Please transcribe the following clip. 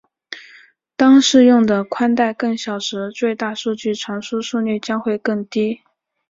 当适用的带宽更小时最大数据传输速率将会更低。